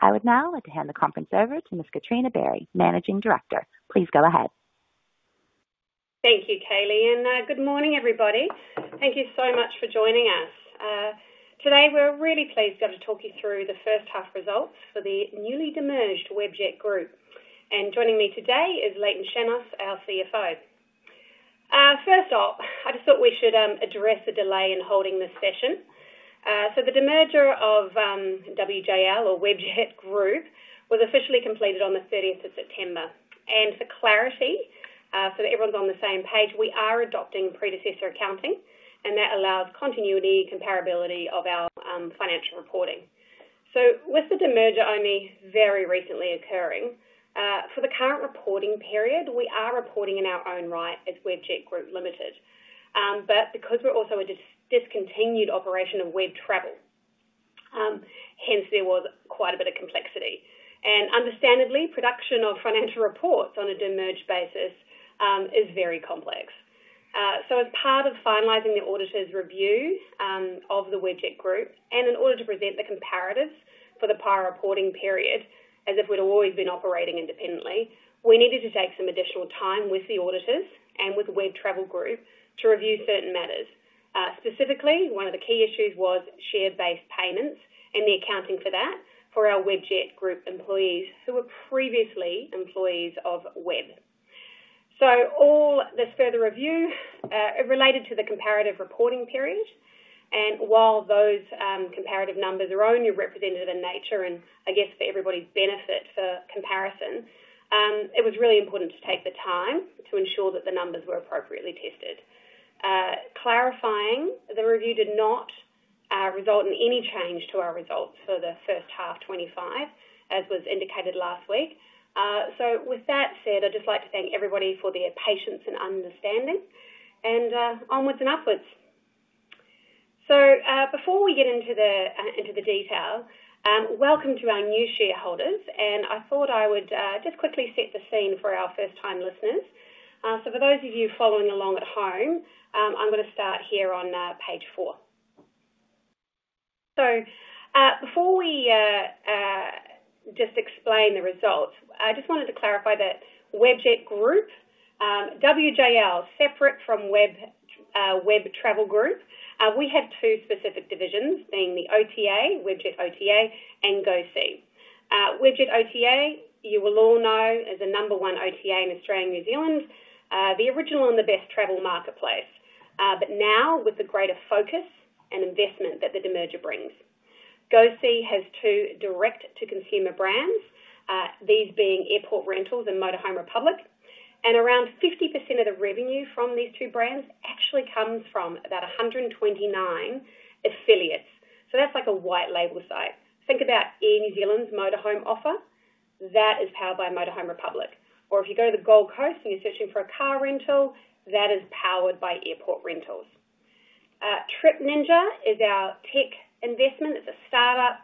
I would now like to hand the conference over to Ms. Katrina Barry, Managing Director. Please go ahead. Thank you, Kaylee. And good morning, everybody. Thank you so much for joining us. Today, we're really pleased to be able to talk you through the first half results for the newly demerged Webjet Group. And joining me today is Layton Shannos, our CFO. First off, I just thought we should address the delay in holding this session. So the demerger of WJL, or Webjet Group, was officially completed on the 30th of September. And for clarity, so that everyone's on the same page, we are adopting predecessor accounting, and that allows continuity and comparability of our financial reporting. So with the demerger only very recently occurring, for the current reporting period, we are reporting in our own right as Webjet Group Limited. But because we're also a discontinued operation of Web Travel, hence there was quite a bit of complexity. And understandably, production of financial reports on a demerged basis is very complex. So as part of finalizing the auditor's review of the Webjet Group, and in order to present the comparatives for the prior reporting period, as if we'd always been operating independently, we needed to take some additional time with the auditors and with Web Travel Group to review certain matters. Specifically, one of the key issues was share-based payments and the accounting for that for our Webjet Group employees who were previously employees of Web. So all this further review related to the comparative reporting period. And while those comparative numbers are only representative in nature and, I guess, for everybody's benefit for comparison, it was really important to take the time to ensure that the numbers were appropriately tested. Clarifying, the review did not result in any change to our results for the first half 2025, as was indicated last week. So with that said, I'd just like to thank everybody for their patience and understanding, and onwards and upwards. So before we get into the detail, welcome to our new shareholders. And I thought I would just quickly set the scene for our first-time listeners. So for those of you following along at home, I'm going to start here on page four. So before we just explain the results, I just wanted to clarify that Webjet Group, WJL, separate from Web Travel Group, we have two specific divisions, being the OTA, Webjet OTA, and GoSee. Webjet OTA, you will all know, is the number one OTA in Australia, New Zealand, the original and the best travel marketplace. But now, with the greater focus and investment that the demerger brings, GoSee has two direct-to-consumer brands, these being Airport Rentals and Motorhome Republic. And around 50% of the revenue from these two brands actually comes from about 129 affiliates. So that's like a white label site. Think about Air New Zealand's motorhome offer. That is powered by Motorhome Republic. Or if you go to the Gold Coast and you're searching for a car rental, that is powered by Airport Rentals. TripNinja is our tech investment. It's a startup,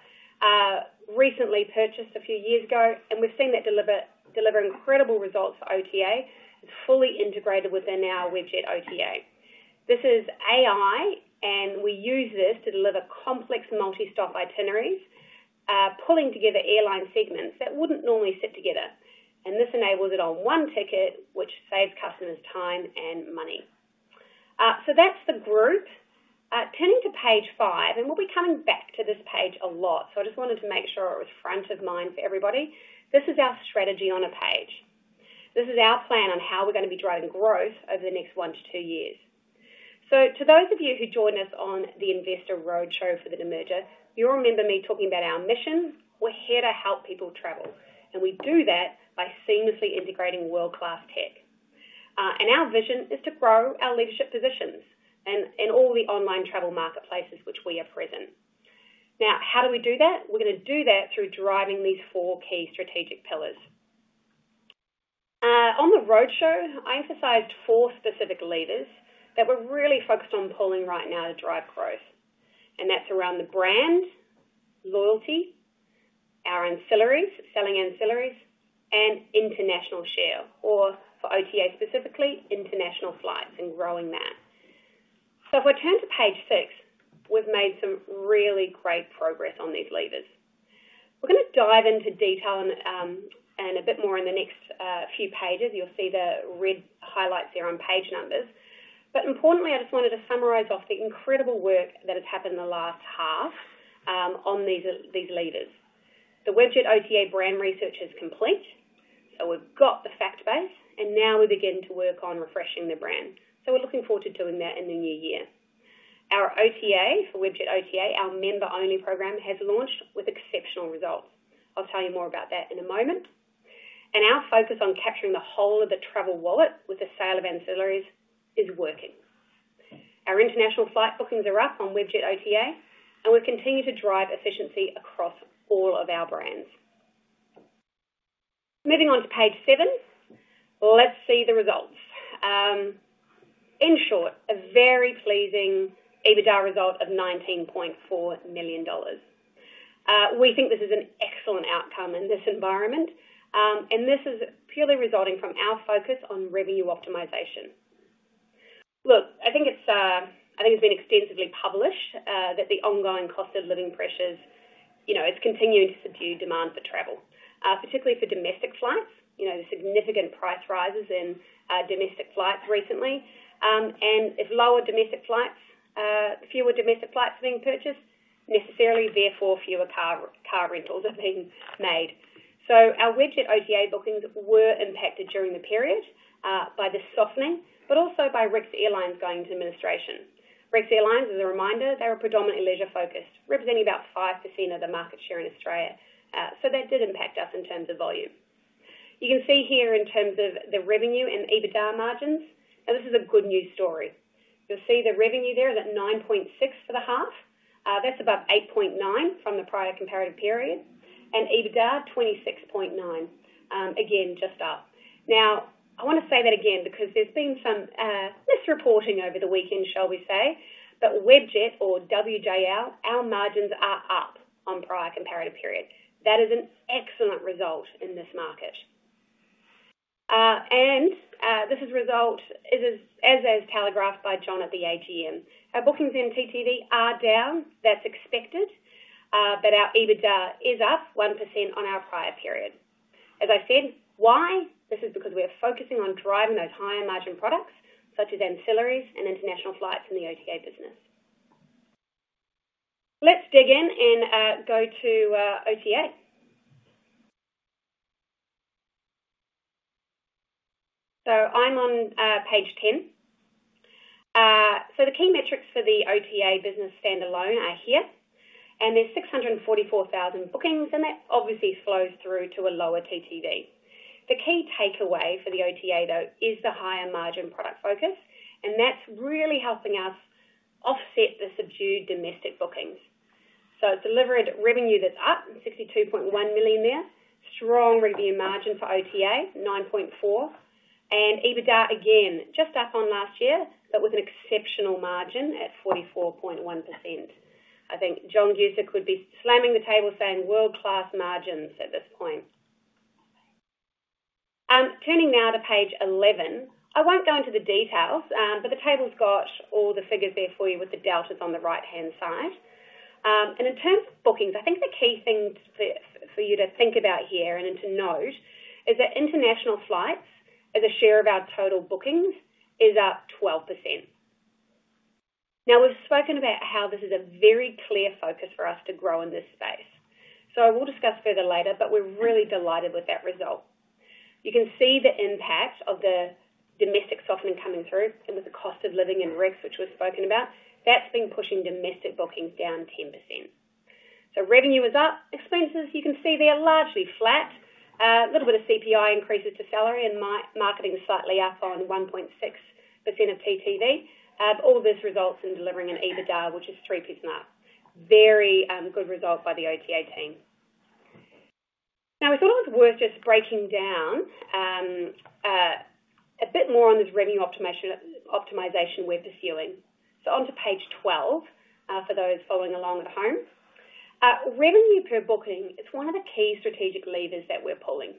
recently purchased a few years ago. And we've seen that deliver incredible results for OTA. It's fully integrated within our Webjet OTA. This is AI, and we use this to deliver complex multi-stop itineraries, pulling together airline segments that wouldn't normally sit together. And this enables it on one ticket, which saves customers time and money. So that's the group. Turning to page five, and we'll be coming back to this page a lot, so I just wanted to make sure it was front of mind for everybody. This is our strategy on a page. This is our plan on how we're going to be driving growth over the next one to two years. So to those of you who joined us on the investor roadshow for the demerger, you'll remember me talking about our mission. We're here to help people travel. And we do that by seamlessly integrating world-class tech. And our vision is to grow our leadership positions in all the online travel marketplaces which we are present. Now, how do we do that? We're going to do that through driving these four key strategic pillars. On the roadshow, I emphasized four specific levers that we're really focused on pulling right now to drive growth. That's around the brand, loyalty, our ancillaries, selling ancillaries, and international share, or for OTA specifically, international flights and growing that. If we turn to page six, we've made some really great progress on these levers. We're going to dive into detail and a bit more in the next few pages. You'll see the red highlights there on page numbers. Importantly, I just wanted to summarize off the incredible work that has happened in the last half on these levers. The Webjet OTA brand research is complete. We've got the fact base, and now we begin to work on refreshing the brand. We're looking forward to doing that in the new year. Our OTA, for Webjet OTA, our member-only program, has launched with exceptional results. I'll tell you more about that in a moment. Our focus on capturing the whole of the travel wallet with the sale of ancillaries is working. Our international flight bookings are up on Webjet OTA, and we'll continue to drive efficiency across all of our brands. Moving on to page seven, let's see the results. In short, a very pleasing EBITDA result of 19.4 million dollars. We think this is an excellent outcome in this environment, and this is purely resulting from our focus on revenue optimization. Look, I think it's been extensively published that the ongoing cost of living pressures, it's continuing to subdue demand for travel, particularly for domestic flights. There's significant price rises in domestic flights recently. And if lower domestic flights, fewer domestic flights are being purchased, necessarily, therefore, fewer car rentals are being made. So our Webjet OTA bookings were impacted during the period by the softening, but also by Rex Airlines going into administration. Rex Airlines, as a reminder, they were predominantly leisure-focused, representing about 5% of the market share in Australia. So that did impact us in terms of volume. You can see here in terms of the revenue and EBITDA margins. Now, this is a good news story. You'll see the revenue there is at 9.6 for the half. That's about 8.9 from the prior comparative period. And EBITDA, 26.9. Again, just up. Now, I want to say that again because there's been some misreporting over the weekend, shall we say, but Webjet, or WJL, our margins are up on prior comparative period. That is an excellent result in this market. And this result is, as telegraphed by John at the AGM, our bookings in TTV are down. That's expected. But our EBITDA is up 1% on our prior period. As I said, why? This is because we are focusing on driving those higher margin products, such as ancillaries and international flights in the OTA business. Let's dig in and go to OTA. So I'm on page 10. So the key metrics for the OTA business standalone are here. And there's 644,000 bookings, and that obviously flows through to a lower TTV. The key takeaway for the OTA, though, is the higher margin product focus. And that's really helping us offset the subdued domestic bookings. So it's delivered revenue that's up, 62.1 million there. Strong revenue margin for OTA, 9.4%. And EBITDA, again, just up on last year, but with an exceptional margin at 44.1%. I think John Guscic could be slamming the table saying world-class margins at this point. Turning now to page 11, I won't go into the details, but the table's got all the figures there for you with the deltas on the right-hand side. And in terms of bookings, I think the key thing for you to think about here and to note is that international flights, as a share of our total bookings, is up 12%. Now, we've spoken about how this is a very clear focus for us to grow in this space. So we'll discuss further later, but we're really delighted with that result. You can see the impact of the domestic softening coming through. And with the cost of living and rents, which we've spoken about, that's been pushing domestic bookings down 10%. So revenue is up. Expenses, you can see they are largely flat. A little bit of CPI increases to salary and marketing slightly up on 1.6% of TTV. All this results in delivering an EBITDA, which is 3.2. Very good result by the OTA team. Now, we thought it was worth just breaking down a bit more on this revenue optimization we're pursuing. Onto page 12 for those following along at home. Revenue per booking, it's one of the key strategic levers that we're pulling.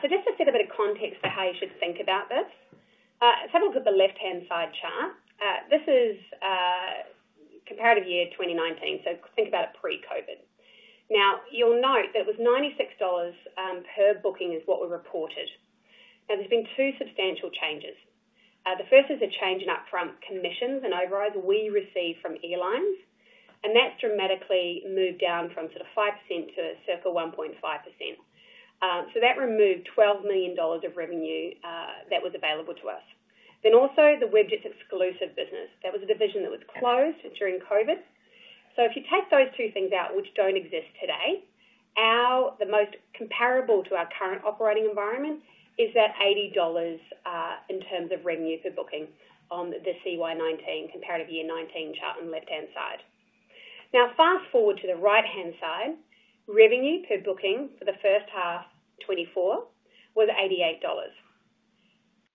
Just to set a bit of context for how you should think about this, have a look at the left-hand side chart. This is comparative year 2019, so think about it pre-COVID. Now, you'll note that it was $96 per booking is what we reported. Now, there's been two substantial changes. The first is a change in upfront commissions and overrides we received from airlines. And that's dramatically moved down from sort of 5% to circa 1.5%. So that removed $12 million of revenue that was available to us. Then also, the Webjet's exclusive business. That was a division that was closed during COVID. So if you take those two things out, which don't exist today, the most comparable to our current operating environment is that 80 dollars in terms of revenue per booking on the CY 2019, comparative year 2019 chart on the left-hand side. Now, fast forward to the right-hand side, revenue per booking for the first half 2024 was 88 dollars,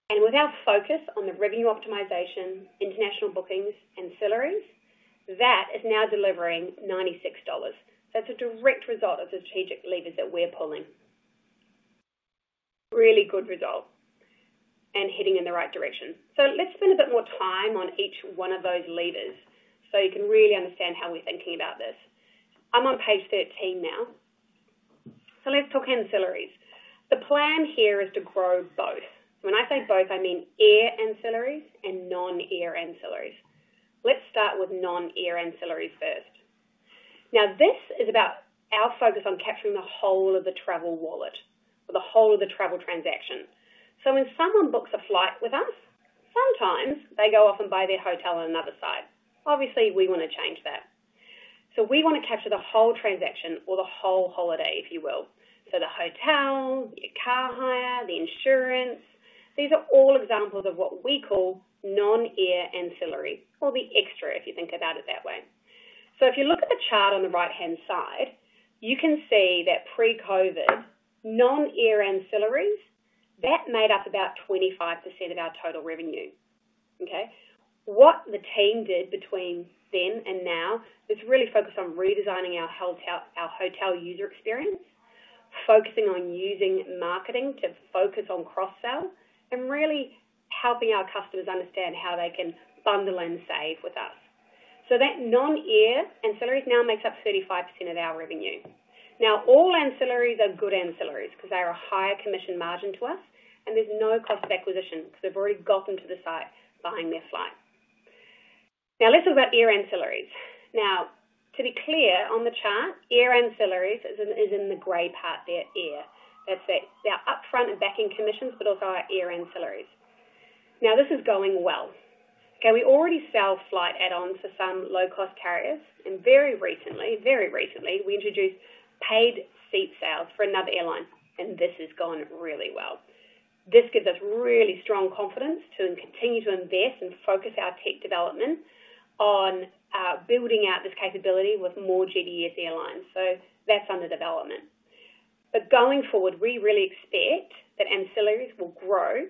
and with our focus on the revenue optimization, international bookings, ancillaries, that is now delivering 96 dollars. That's a direct result of the strategic levers that we're pulling. Really good result and heading in the right direction, so let's spend a bit more time on each one of those levers so you can really understand how we're thinking about this. I'm on page 13 now, so let's talk ancillaries. The plan here is to grow both. When I say both, I mean air ancillaries and non-air ancillaries. Let's start with non-air ancillaries first. Now, this is about our focus on capturing the whole of the travel wallet, or the whole of the travel transaction. So when someone books a flight with us, sometimes they go off and buy their hotel on another side. Obviously, we want to change that. So we want to capture the whole transaction, or the whole holiday, if you will. So the hotel, your car hire, the insurance, these are all examples of what we call non-air ancillary, or the extra if you think about it that way. So if you look at the chart on the right-hand side, you can see that pre-COVID, non-air ancillaries, that made up about 25% of our total revenue. Okay? What the team did between then and now, it's really focused on redesigning our hotel user experience, focusing on using marketing to focus on cross-sell, and really helping our customers understand how they can Bundle & Save with us. So that non-air ancillaries now makes up 35% of our revenue. Now, all ancillaries are good ancillaries because they are a higher commission margin to us, and there's no cost of acquisition because they've already gotten to the site buying their flight. Now, let's talk about air ancillaries. Now, to be clear on the chart, air ancillaries is in the gray part there, air. That's our upfront and backend commissions, but also our air ancillaries. Now, this is going well. Okay? We already sell flight add-ons for some low-cost carriers. And very recently, very recently, we introduced paid seat sales for another airline. And this has gone really well. This gives us really strong confidence to continue to invest and focus our tech development on building out this capability with more GDS airlines. So that's under development. But going forward, we really expect that ancillaries will grow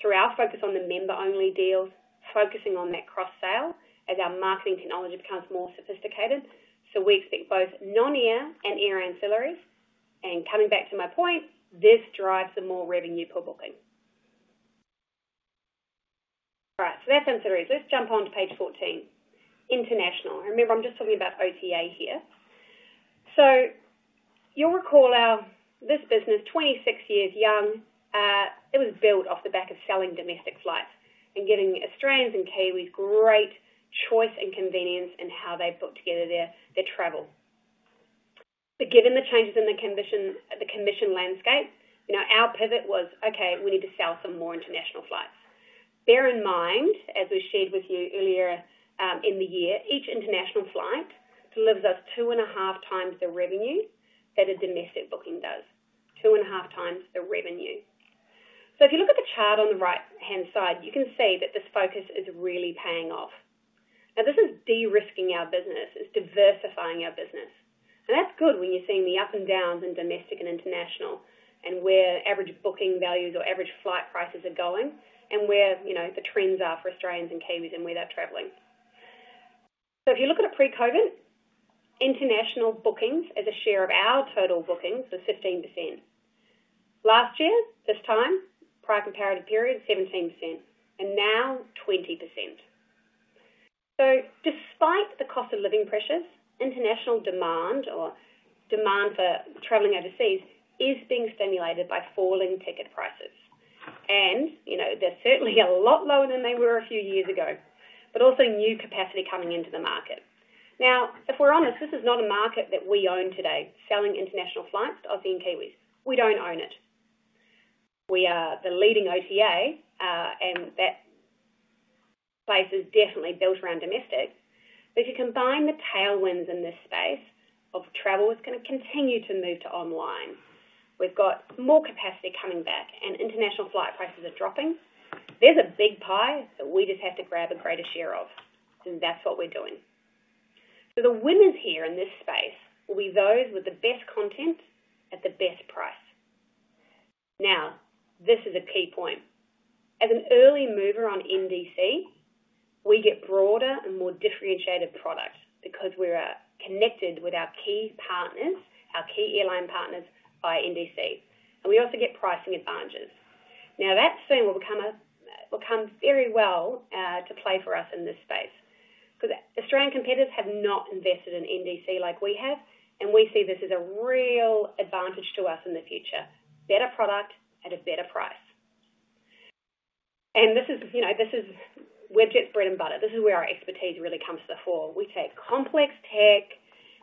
through our focus on the member-only deals, focusing on that cross-sale as our marketing technology becomes more sophisticated. So we expect both non-air and air ancillaries. And coming back to my point, this drives the more revenue per booking. All right. So that's ancillaries. Let's jump on to page 14. International. Remember, I'm just talking about OTA here. So you'll recall this business, 26 years young, it was built off the back of selling domestic flights and giving Australians and Kiwis great choice and convenience in how they put together their travel. But given the changes in the commission landscape, our pivot was, okay, we need to sell some more international flights. Bear in mind, as we shared with you earlier in the year, each international flight delivers us two and a half times the revenue that a domestic booking does. Two and a half times the revenue. So if you look at the chart on the right-hand side, you can see that this focus is really paying off. Now, this is de-risking our business. It's diversifying our business. And that's good when you're seeing the ups and downs in domestic and international and where average booking values or average flight prices are going and where the trends are for Australians and Kiwis and where they're traveling. So if you look at it pre-COVID, international bookings as a share of our total bookings was 15%. Last year, this time, prior comparative period, 17%. And now, 20%. So despite the cost of living pressures, international demand or demand for traveling overseas is being stimulated by falling ticket prices. And they're certainly a lot lower than they were a few years ago, but also new capacity coming into the market. Now, if we're honest, this is not a market that we own today, selling international flights to Aussies and Kiwis. We don't own it. We are the leading OTA, and that base is definitely built around domestic. But if you combine the tailwinds in this space of travel, it's going to continue to move to online. We've got more capacity coming back, and international flight prices are dropping. There's a big pie that we just have to grab a greater share of. And that's what we're doing. So the winners here in this space will be those with the best content at the best price. Now, this is a key point. As an early mover on NDC, we get broader and more differentiated product because we're connected with our key partners, our key airline partners via NDC. And we also get pricing advantages. Now, that soon will become very well placed for us in this space because Australian competitors have not invested in NDC like we have. And we see this as a real advantage to us in the future. Better product at a better price. And this is Webjet's bread and butter. This is where our expertise really comes to the fore. We take complex tech,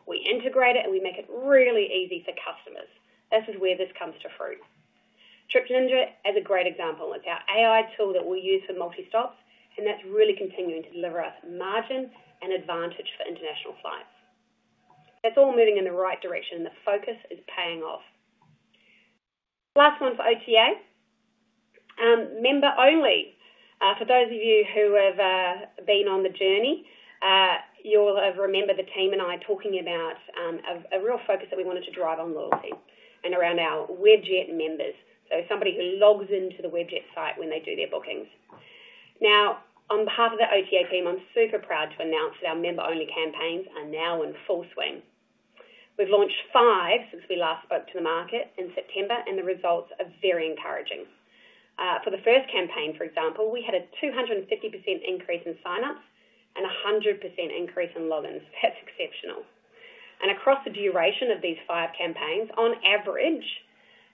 we integrate it, and we make it really easy for customers. This is where this comes to fruition. TripNinja is a great example. It's our AI tool that we use for multi-stops. And that's really continuing to deliver us margin and advantage for international flights. That's all moving in the right direction, and the focus is paying off. Last one for OTA. Member-only. For those of you who have been on the journey, you'll remember the team and I talking about a real focus that we wanted to drive on loyalty and around our Webjet members. So somebody who logs into the Webjet site when they do their bookings. Now, on behalf of the OTA team, I'm super proud to announce that our member-only campaigns are now in full swing. We've launched five since we last spoke to the market in September, and the results are very encouraging. For the first campaign, for example, we had a 250% increase in sign-ups and a 100% increase in logins. That's exceptional, and across the duration of these five campaigns, on average,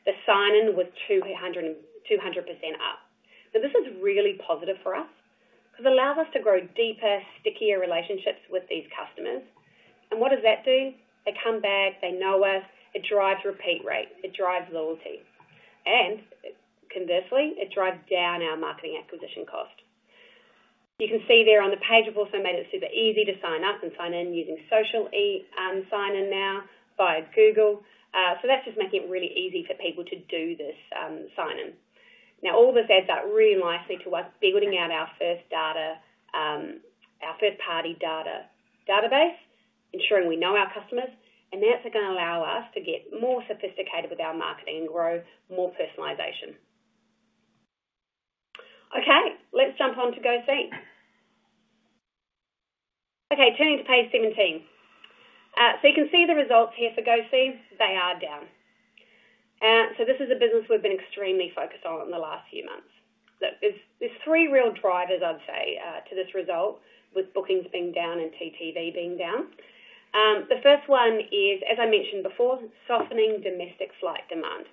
the sign-in was 200% up. Now, this is really positive for us because it allows us to grow deeper, stickier relationships with these customers. And what does that do? They come back. They know us. It drives repeat rate. It drives loyalty. And conversely, it drives down our marketing acquisition cost. You can see there on the page, we've also made it super easy to sign up and sign in using social sign-in now via Google. So that's just making it really easy for people to do this sign-in. Now, all this adds up really nicely to us building out our first data, our first-party data database, ensuring we know our customers. And that's going to allow us to get more sophisticated with our marketing and grow more personalization. Okay. Let's jump on to GoSee. Okay. Turning to page 17. So you can see the results here for GoSee. They are down. So this is a business we've been extremely focused on in the last few months. There's three real drivers, I'd say, to this result with bookings being down and TTV being down. The first one is, as I mentioned before, softening domestic flight demand.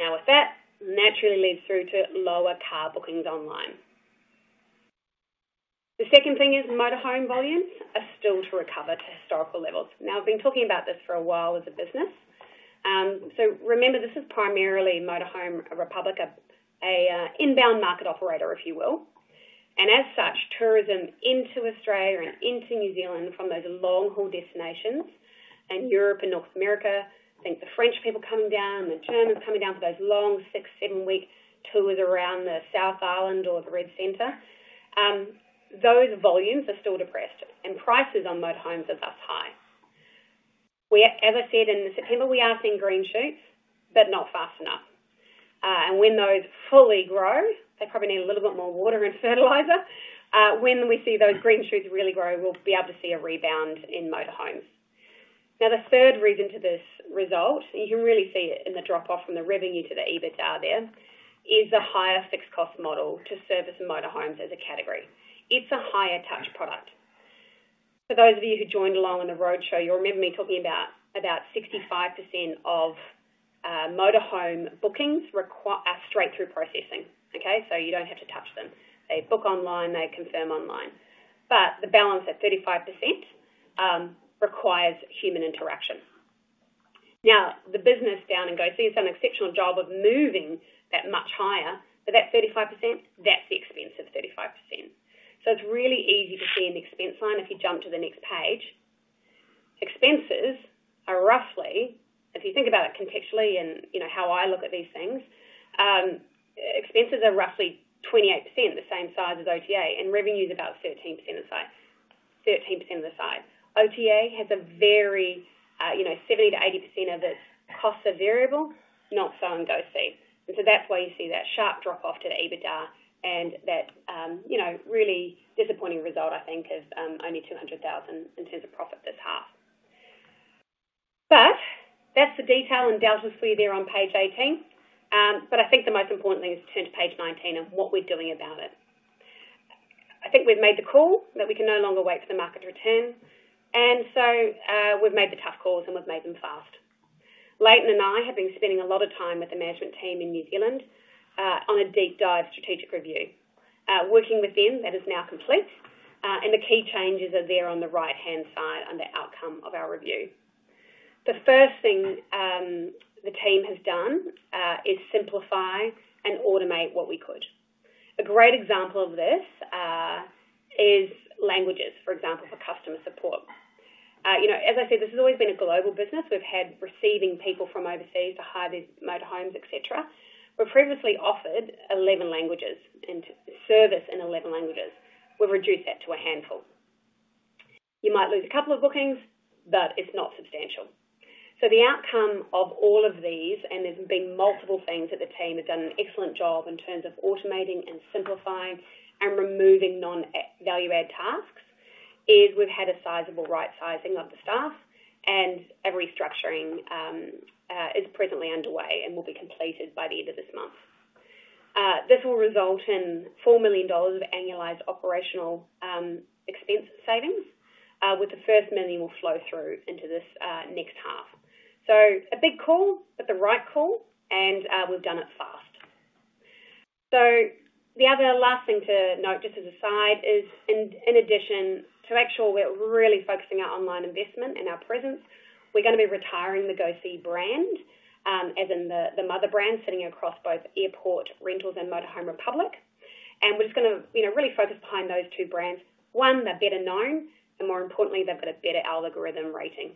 Now, with that, naturally leads through to lower car bookings online. The second thing is motorhome volumes are still to recover to historical levels. Now, I've been talking about this for a while as a business. So remember, this is primarily Motorhome Republic, an inbound market operator, if you will. And as such, tourism into Australia and into New Zealand from those long-haul destinations and Europe and North America, I think the French people coming down and the Germans coming down for those long six, seven-week tours around the South Island or the Red Centre, those volumes are still depressed. Prices on motorhomes are thus high. As I said in September, we are seeing green shoots, but not fast enough. When those fully grow, they probably need a little bit more water and fertilizer. When we see those green shoots really grow, we'll be able to see a rebound in motorhomes. Now, the third reason to this result, and you can really see it in the drop-off from the revenue to the EBITDA there, is the higher fixed-cost model to service motorhomes as a category. It's a higher-touch product. For those of you who joined along on the roadshow, you'll remember me talking about 65% of motorhome bookings are straight-through processing. Okay? So you don't have to touch them. They book online. They confirm online. But the balance, that 35%, requires human interaction. Now, the business down in GoSee has done an exceptional job of moving that much higher. But that 35%, that's the expense of 35%. So it's really easy to see an expense line if you jump to the next page. Expenses are roughly, if you think about it contextually and how I look at these things, expenses are roughly 28%, the same size as OTA, and revenue is about 13% of the size. OTA has a very 70%-80% of its costs are variable, not so in GoSee. And so that's why you see that sharp drop-off to the EBITDA and that really disappointing result, I think, of only 200,000 in terms of profit this half. But that's the detail and the delta there on page 18. But I think the most important thing is to turn to page 19 and what we're doing about it. I think we've made the call that we can no longer wait for the market to return, and so we've made the tough calls, and we've made them fast. Layton and I have been spending a lot of time with the management team in New Zealand on a deep-dive strategic review. Working with them, that is now complete, and the key changes are there on the right-hand side under outcome of our review. The first thing the team has done is simplify and automate what we could. A great example of this is languages, for example, for customer support. As I said, this has always been a global business. We've had receiving people from overseas to hire these motorhomes, etc. We previously offered 11 languages and service in 11 languages. We've reduced that to a handful. You might lose a couple of bookings, but it's not substantial. The outcome of all of these, and there's been multiple things that the team have done an excellent job in terms of automating and simplifying and removing non-value-add tasks, is we've had a sizable right-sizing of the staff, and a restructuring is presently underway and will be completed by the end of this month. This will result in 4 million dollars of annualized operational expense savings, with the first million will flow through into this next half. So a big call, but the right call, and we've done it fast. So the other last thing to note, just as a side, is in addition to make sure we're really focusing our online investment and our presence, we're going to be retiring the GoSee brand, as in the mother brand, sitting across both Airport Rentals and Motorhome Republic. And we're just going to really focus behind those two brands. One, they're better known, and more importantly, they've got a better algorithm rating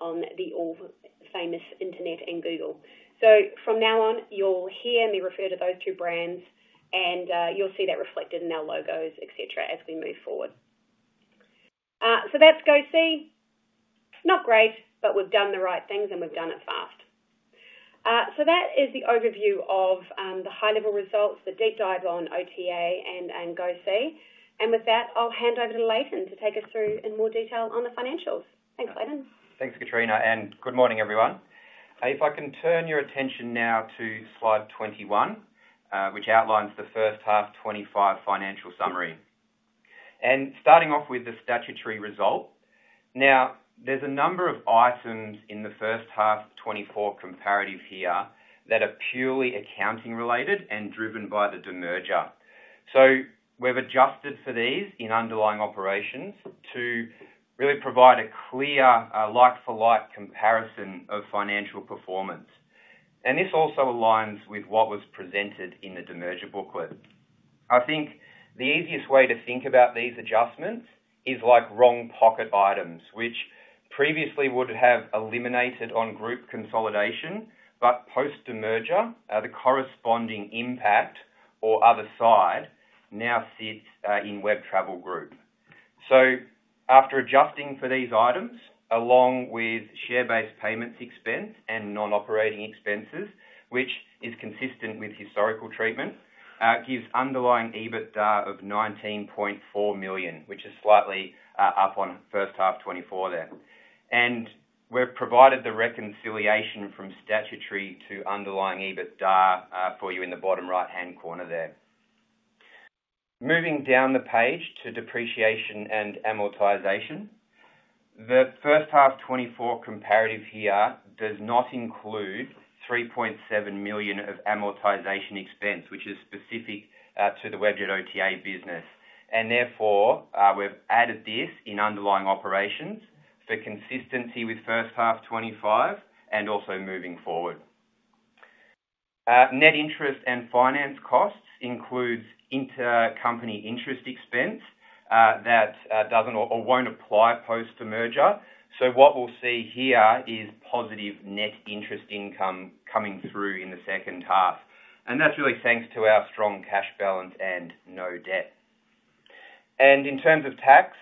on the all-famous internet and Google. So from now on, you'll hear me refer to those two brands, and you'll see that reflected in our logos, etc., as we move forward. So that's GoSee. It's not great, but we've done the right things, and we've done it fast. So that is the overview of the high-level results, the deep dive on OTA and GoSee. And with that, I'll hand over to Layton to take us through in more detail on the financials. Thanks, Layton. Thanks, Katrina. And good morning, everyone. If I can turn your attention now to slide 21, which outlines the first half 25 financial summary. And starting off with the statutory result, now, there's a number of items in the first half 24 comparative here that are purely accounting-related and driven by the demerger. So we've adjusted for these in underlying operations to really provide a clear like-for-like comparison of financial performance. And this also aligns with what was presented in the demerger booklet. I think the easiest way to think about these adjustments is like wrong pocket items, which previously would have eliminated on group consolidation, but post-demerger, the corresponding impact or other side now sits in Web Travel Group. So after adjusting for these items, along with share-based payments expense and non-operating expenses, which is consistent with historical treatment, gives underlying EBITDA of 19.4 million, which is slightly up on first half 2024 there. And we've provided the reconciliation from statutory to underlying EBITDA for you in the bottom right-hand corner there. Moving down the page to depreciation and amortization, the first half 2024 comparative here does not include 3.7 million of amortization expense, which is specific to the Webjet OTA business. And therefore, we've added this in underlying operations for consistency with first half 2025 and also moving forward. Net interest and finance costs include intercompany interest expense that doesn't or won't apply post-demerger. So what we'll see here is positive net interest income coming through in the second half. And that's really thanks to our strong cash balance and no debt. And in terms of tax,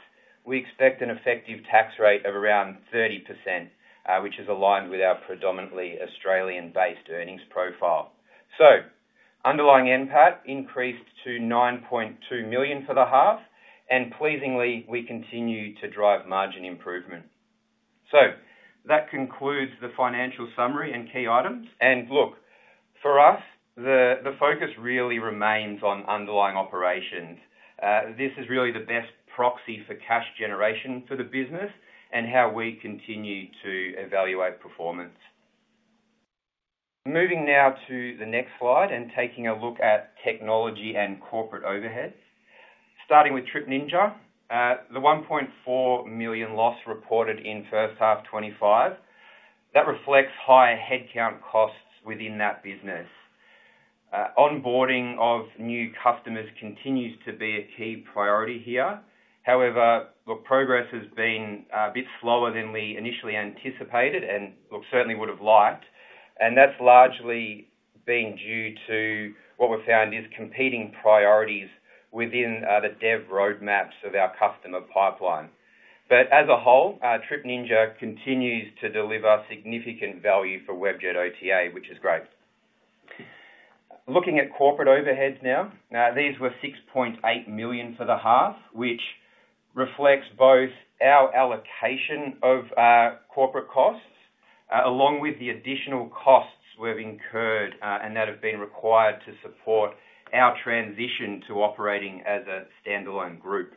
we expect an effective tax rate of around 30%, which is aligned with our predominantly Australian-based earnings profile. So underlying NPAT increased to 9.2 million for the half. And pleasingly, we continue to drive margin improvement. So that concludes the financial summary and key items. And look, for us, the focus really remains on underlying operations. This is really the best proxy for cash generation for the business and how we continue to evaluate performance. Moving now to the next slide and taking a look at technology and corporate overhead. Starting with TripNinja, the 1.4 million loss reported in first half 2025, that reflects higher headcount costs within that business. Onboarding of new customers continues to be a key priority here. However, the progress has been a bit slower than we initially anticipated and certainly would have liked, and that's largely being due to what we found is competing priorities within the dev roadmaps of our customer pipeline. But as a whole, TripNinja continues to deliver significant value for Webjet OTA, which is great. Looking at corporate overheads now, these were 6.8 million for the half, which reflects both our allocation of corporate costs along with the additional costs we've incurred and that have been required to support our transition to operating as a standalone group.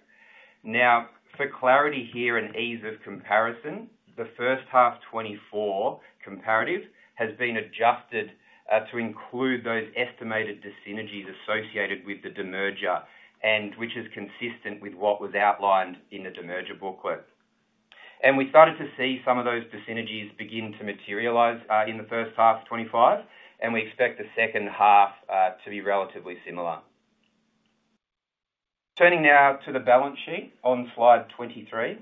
Now, for clarity here and ease of comparison, the first half 24 comparative has been adjusted to include those estimated dyssynergies associated with the demerger, which is consistent with what was outlined in the demerger booklet. We started to see some of those dyssynergies begin to materialize in the first half 25, and we expect the second half to be relatively similar. Turning now to the balance sheet on slide 23.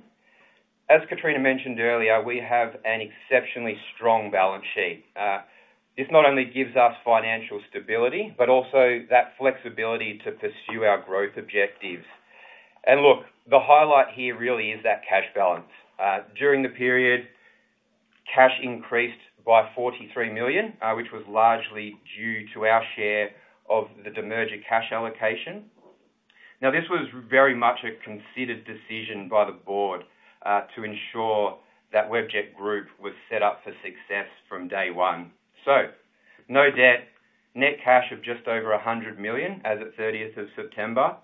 As Katrina mentioned earlier, we have an exceptionally strong balance sheet. This not only gives us financial stability, but also that flexibility to pursue our growth objectives. The highlight here really is that cash balance. During the period, cash increased by 43 million, which was largely due to our share of the demerger cash allocation. Now, this was very much a considered decision by the board to ensure that Webjet Group was set up for success from day one, so no debt, net cash of just over 100 million as of 30th of September,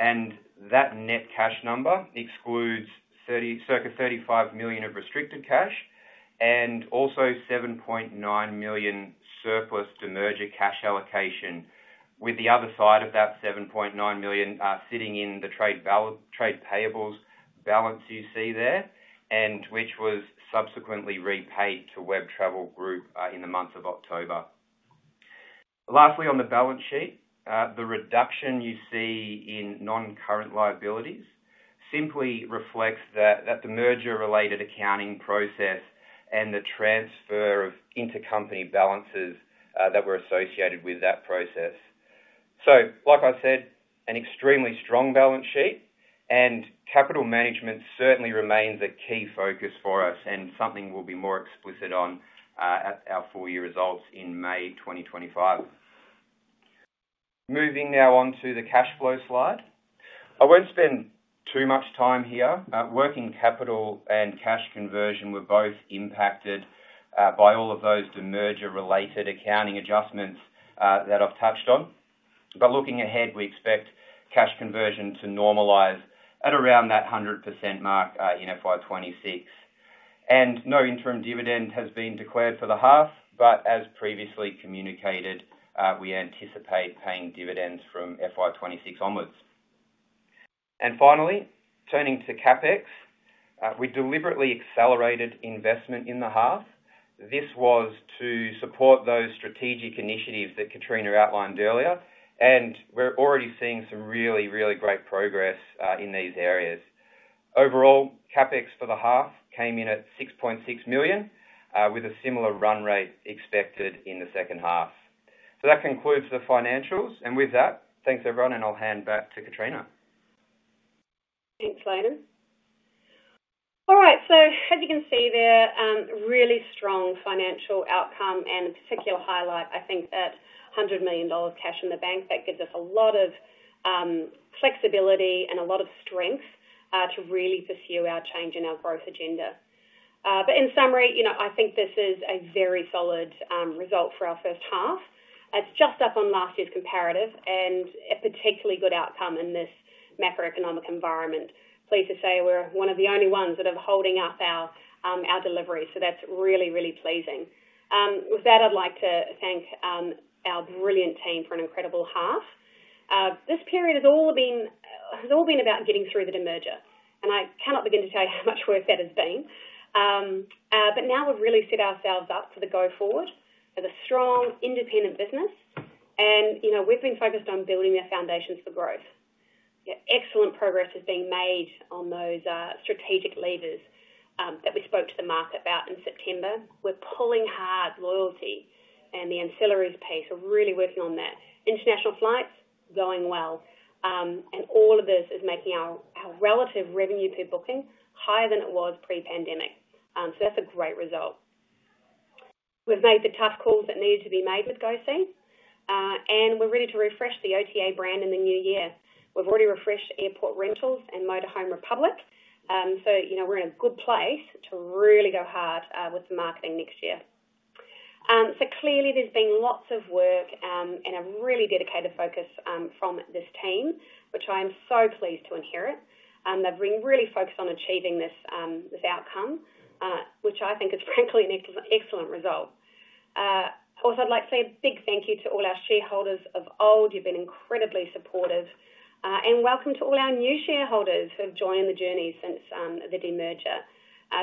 and that net cash number excludes circa 35 million of restricted cash and also 7.9 million surplus demerger cash allocation, with the other side of that 7.9 million sitting in the trade payables balance you see there, and which was subsequently repaid to Web Travel Group in the month of October. Lastly, on the balance sheet, the reduction you see in non-current liabilities simply reflects that the merger-related accounting process and the transfer of intercompany balances that were associated with that process. So, like I said, an extremely strong balance sheet, and capital management certainly remains a key focus for us and something we'll be more explicit on at our full-year results in May 2025. Moving now on to the cash flow slide. I won't spend too much time here. Working capital and cash conversion were both impacted by all of those demerger-related accounting adjustments that I've touched on. But looking ahead, we expect cash conversion to normalize at around that 100% mark in FY 2026. And no interim dividend has been declared for the half, but as previously communicated, we anticipate paying dividends from FY 2026 onwards. And finally, turning to CapEx, we deliberately accelerated investment in the half. This was to support those strategic initiatives that Katrina outlined earlier, and we're already seeing some really, really great progress in these areas. Overall, CapEx for the half came in at 6.6 million, with a similar run rate expected in the second half. So that concludes the financials. And with that, thanks, everyone, and I'll hand back to Katrina. Thanks, Layton. All right. So, as you can see, there's a really strong financial outcome and a particular highlight, I think, at 100 million dollars cash in the bank. That gives us a lot of flexibility and a lot of strength to really pursue our change in our growth agenda. But in summary, I think this is a very solid result for our first half. It's just up on last year's comparative and a particularly good outcome in this macroeconomic environment. Pleased to say we're one of the only ones that are holding up our delivery. So that's really, really pleasing. With that, I'd like to thank our brilliant team for an incredible half. This period has all been about getting through the demerger, and I cannot begin to tell you how much work that has been. But now we've really set ourselves up for the go forward as a strong, independent business, and we've been focused on building the foundations for growth. Excellent progress is being made on those strategic levers that we spoke to the market about in September. We're pulling hard loyalty, and the ancillaries piece are really working on that. International flights going well, and all of this is making our relative revenue per booking higher than it was pre-pandemic. So that's a great result. We've made the tough calls that needed to be made with GoSee, and we're ready to refresh the OTA brand in the new year. We've already refreshed Airport Rentals and Motorhome Republic, so we're in a good place to really go hard with the marketing next year. So clearly, there's been lots of work and a really dedicated focus from this team, which I am so pleased to inherit. They've been really focused on achieving this outcome, which I think is, frankly, an excellent result. Also, I'd like to say a big thank you to all our shareholders of old. You've been incredibly supportive and welcome to all our new shareholders who have joined the journey since the demerger.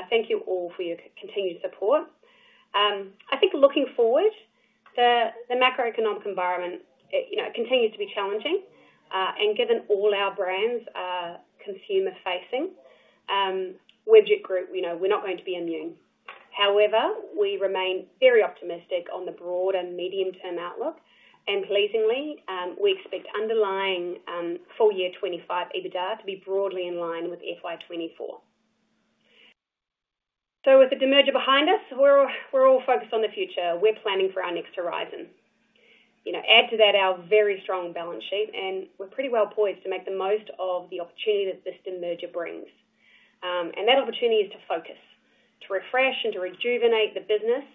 Thank you all for your continued support. I think looking forward, the macroeconomic environment continues to be challenging and given all our brands are consumer-facing, Webjet Group, we're not going to be immune. However, we remain very optimistic on the broad and medium-term outlook, and pleasingly, we expect underlying full-year 2025 EBITDA to be broadly in line with FY 2024. So with the demerger behind us, we're all focused on the future. We're planning for our next horizon. Add to that our very strong balance sheet, and we're pretty well poised to make the most of the opportunity that this demerger brings. And that opportunity is to focus, to refresh and to rejuvenate the business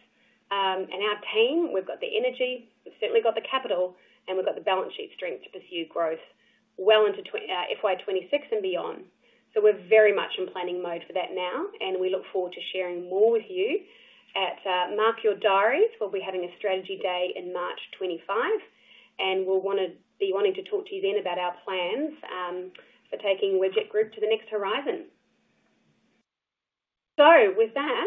and our team. We've got the energy, we've certainly got the capital, and we've got the balance sheet strength to pursue growth well into FY 2026 and beyond. So we're very much in planning mode for that now, and we look forward to sharing more with you. Mark your diaries. We'll be having a strategy day in March 2025, and we'll be wanting to talk to you then about our plans for taking Webjet Group to the next horizon. So with that,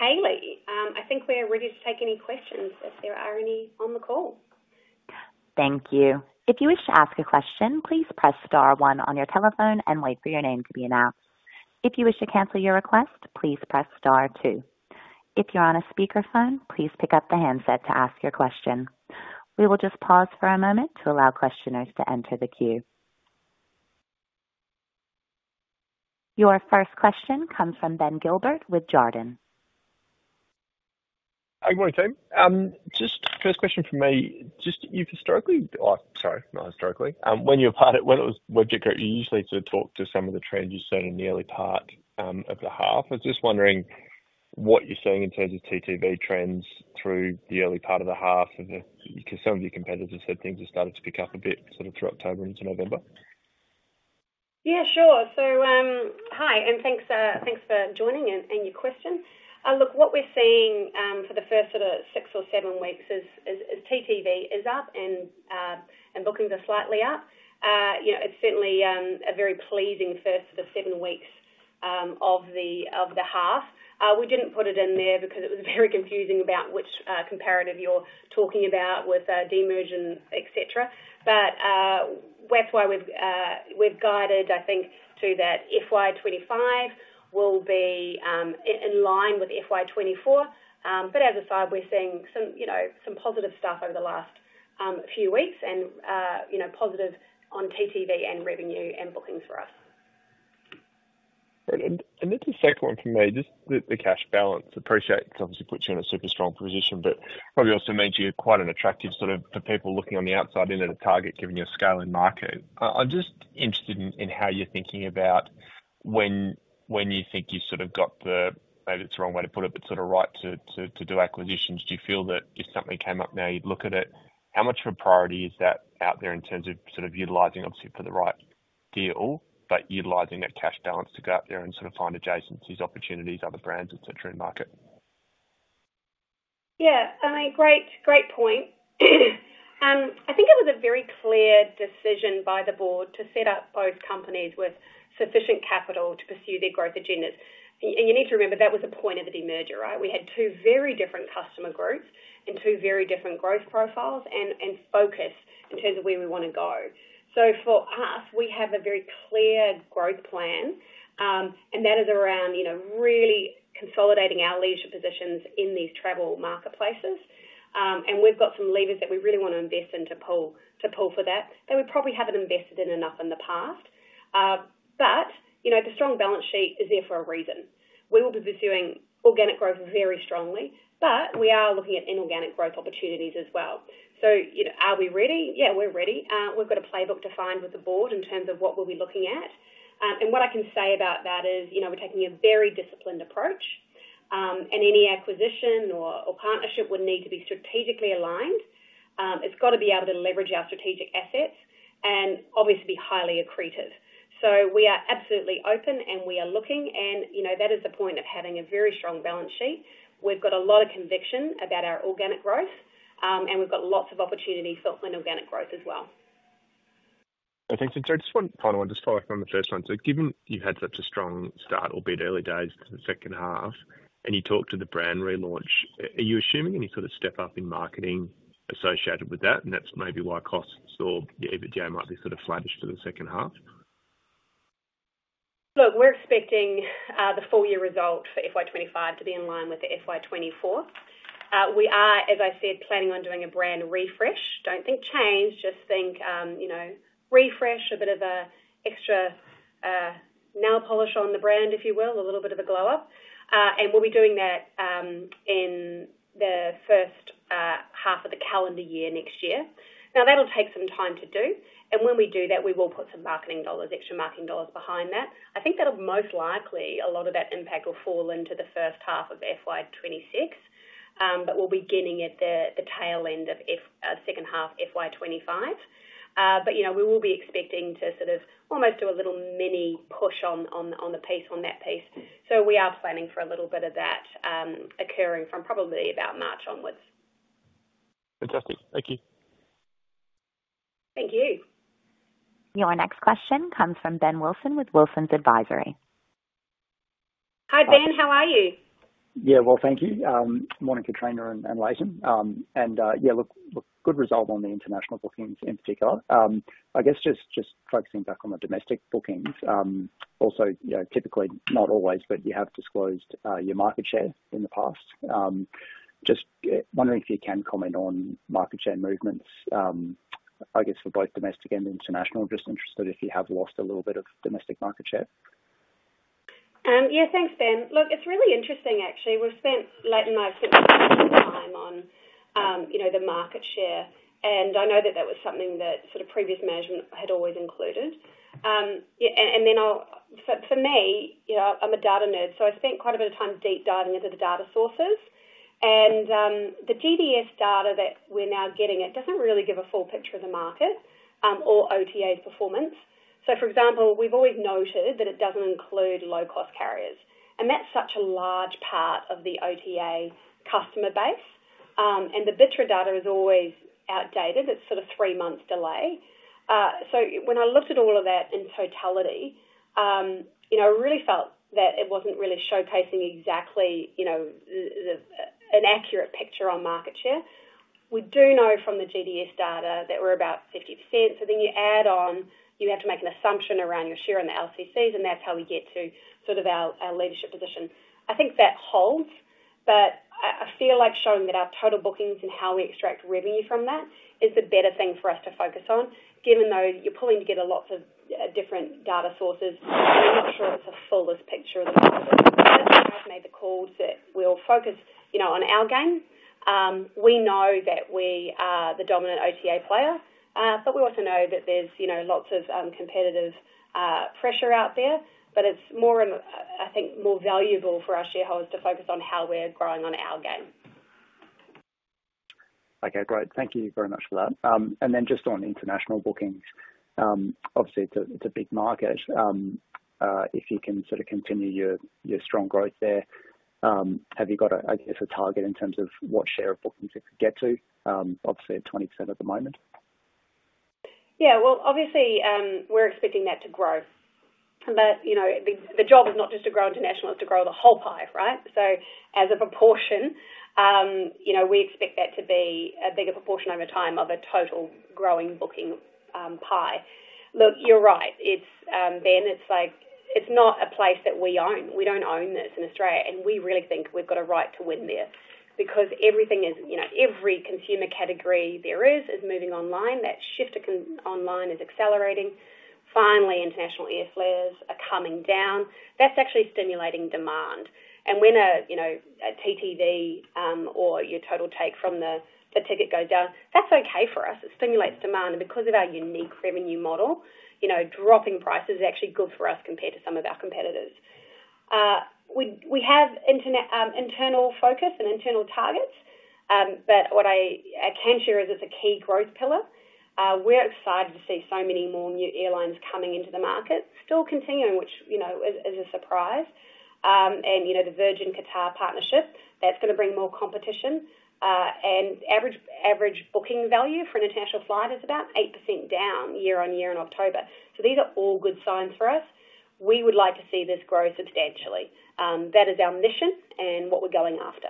Kaylee, I think we're ready to take any questions if there are any on the call. Thank you. If you wish to ask a question, please press star one on your telephone and wait for your name to be announced. If you wish to cancel your request, please press star two. If you're on a speakerphone, please pick up the handset to ask your question. We will just pause for a moment to allow questioners to enter the queue. Your first question comes from Ben Gilbert with Jarden. Hi, good morning, team. Just first question for me. Just you've historically, sorry, not historically. When you were part of when it was Webjet Group, you usually sort of talked to some of the trends you saw in the early part of the half. I was just wondering what you're seeing in terms of TTV trends through the early part of the half, because some of your competitors said things have started to pick up a bit sort of through October into November. Yeah, sure. So hi, and thanks for joining and your question. Look, what we're seeing for the first sort of six or seven weeks is TTV is up and bookings are slightly up. It's certainly a very pleasing first of the seven weeks of the half. We didn't put it in there because it was very confusing about which comparative you're talking about with demerger, etc. But that's why we've guided, I think, to that FY 2025 will be in line with FY 2024. But aside, we're seeing some positive stuff over the last few weeks and positive on TTV and revenue and bookings for us. And that's a second one for me. Just the cash balance. Appreciate it's obviously put you in a super strong position, but probably also made you quite an attractive sort of for people looking on the outside in at a target, given your scale and market. I'm just interested in how you're thinking about when you think you've sort of got the, maybe it's the wrong way to put it, but sort of right to do acquisitions. Do you feel that if something came up now, you'd look at it? How much of a priority is that out there in terms of sort of utilizing, obviously, for the right deal, but utilizing that cash balance to go out there and sort of find adjacencies, opportunities, other brands, etc., in market? Yeah. I mean, great point. I think it was a very clear decision by the board to set up both companies with sufficient capital to pursue their growth agendas. And you need to remember that was the point of the demerger, right? We had two very different customer groups and two very different growth profiles and focus in terms of where we want to go. So for us, we have a very clear growth plan, and that is around really consolidating our leadership positions in these travel marketplaces. We've got some levers that we really want to invest in to pull for that we probably haven't invested in enough in the past. The strong balance sheet is there for a reason. We will be pursuing organic growth very strongly, but we are looking at inorganic growth opportunities as well. Are we ready? Yeah, we're ready. We've got a playbook to find with the board in terms of what we'll be looking at. What I can say about that is we're taking a very disciplined approach, and any acquisition or partnership would need to be strategically aligned. It's got to be able to leverage our strategic assets and obviously be highly accretive. We are absolutely open, and we are looking, and that is the point of having a very strong balance sheet. We've got a lot of conviction about our organic growth, and we've got lots of opportunity felt in organic growth as well. Thanks. And so I just want to follow up on the first one. So given you've had such a strong start, albeit early days, to the second half, and you talked to the brand relaunch, are you assuming any sort of step-up in marketing associated with that? And that's maybe why costs or EBITDA might be sort of sluggish for the second half. Look, we're expecting the full-year result for FY 2025 to be in line with the FY 2024. We are, as I said, planning on doing a brand refresh. Don't think change, just think refresh, a bit of an extra nail polish on the brand, if you will, a little bit of a glow-up. And we'll be doing that in the first half of the calendar year next year. Now, that'll take some time to do. And when we do that, we will put some marketing dollars, extra marketing dollars behind that. I think that'll most likely, a lot of that impact will fall into the first half of FY 2026, but we'll be getting at the tail end of the second half, FY 2025. But we will be expecting to sort of almost do a little mini push on the piece, on that piece. So we are planning for a little bit of that occurring from probably about March onwards. Fantastic. Thank you. Thank you. Your next question comes from Ben Wilson with Wilsons Advisory. Hi, Ben. How are you? Yeah. Well, thank you. Morning, Katrina and Layton. And yeah, look, good result on the international bookings in particular. I guess just focusing back on the domestic bookings. Also, typically, not always, but you have disclosed your market share in the past. Just wondering if you can comment on market share movements, I guess, for both domestic and international. Just interested if you have lost a little bit of domestic market share. Yeah. Thanks, Ben. Look, it's really interesting, actually. We've spent Layton and I spent quite a bit of time on the market share, and I know that that was something that sort of previous management had always included. Then for me, I'm a data nerd, so I spent quite a bit of time deep diving into the data sources. The GDS data that we're now getting, it doesn't really give a full picture of the market or OTA's performance. So, for example, we've always noted that it doesn't include low-cost carriers. That's such a large part of the OTA customer base. The BITRE data is always outdated. It's sort of three months' delay. When I looked at all of that in totality, I really felt that it wasn't really showcasing exactly an accurate picture on market share. We do know from the GDS data that we're about 50%. Then you add on, you have to make an assumption around your share in the LCCs, and that's how we get to sort of our leadership position. I think that holds, but I feel like showing that our total bookings and how we extract revenue from that is the better thing for us to focus on, given though you're pulling together lots of different data sources, and we're not sure it's a fullest picture of the market. That's why I've made the call to, we'll focus on our game. We know that we are the dominant OTA player, but we also know that there's lots of competitive pressure out there. But it's more, I think, more valuable for our shareholders to focus on how we're growing on our game. Okay. Great. Thank you very much for that. And then just on international bookings, obviously, it's a big market. If you can sort of continue your strong growth there, have you got, I guess, a target in terms of what share of bookings you could get to, obviously at 20% at the moment? Yeah. Well, obviously, we're expecting that to grow. But the job is not just to grow international, it's to grow the whole pie, right? So as a proportion, we expect that to be a bigger proportion over time of a total growing booking pie. Look, you're right, Ben. It's not a place that we own. We don't own this in Australia, and we really think we've got a right to win there because everything is, every consumer category there is is moving online. That shift online is accelerating. Finally, international airfares are coming down. That's actually stimulating demand. And when a TTV or your total take from the ticket goes down, that's okay for us. It stimulates demand. And because of our unique revenue model, dropping prices is actually good for us compared to some of our competitors. We have internal focus and internal targets, but what I can share is it's a key growth pillar. We're excited to see so many more new airlines coming into the market, still continuing, which is a surprise. And the Virgin Qatar partnership, that's going to bring more competition. And average booking value for an international flight is about 8% down year-on-year in October. So these are all good signs for us. We would like to see this grow substantially. That is our mission and what we're going after.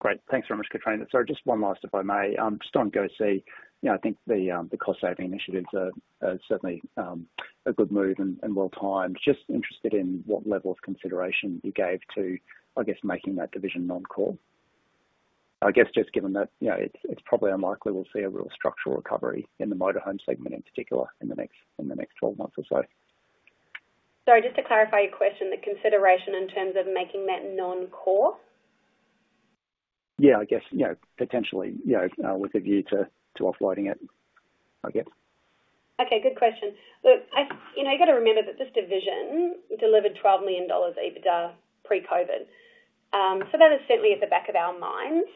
Great. Thanks very much, Katrina. Sorry, just one last, if I may. Just on GoSee, I think the cost-saving initiatives are certainly a good move and well-timed. Just interested in what level of consideration you gave to, I guess, making that division non-core. I guess just given that it's probably unlikely we'll see a real structural recovery in the motorhome segment in particular in the next 12 months or so. Sorry, just to clarify your question, the consideration in terms of making that non-core? Yeah, I guess potentially with a view to offloading it, I guess. Okay. Good question. Look, you've got to remember that this division delivered 12 million dollars EBITDA pre-COVID. So that is certainly at the back of our minds.